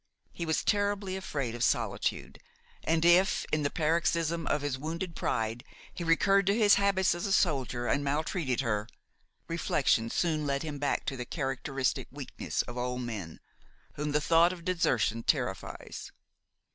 He was terribly afraid of solitude, and if, in the paroxysm of his wounded pride, he recurred to his habits as a soldier and maltreated her, reflection soon led him back to the characteristic weakness of old men, whom the thought of desertion terrifies.